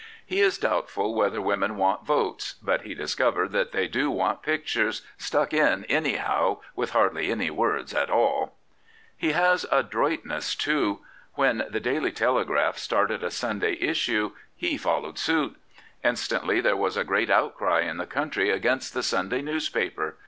He is doubtful whether women want votes; but he discovered that they do want pictures, ' stuck in anyhow, with hardly any words at all.' He has adroitness too. When the Daily Tde Lord NorthclifFe graph started a Sunday issue, he followed suit. In stantly there was a great outcry in the country against the Sunday newspaper.